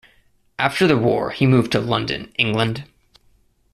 After the war he moved to London, England.